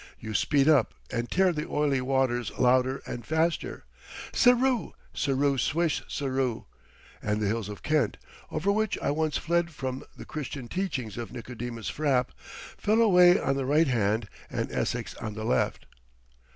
You speed up and tear the oily water louder and faster, siroo, siroo swish siroo, and the hills of Kent—over which I once fled from the Christian teachings of Nicodemus Frapp—fall away on the right hand and Essex on the left.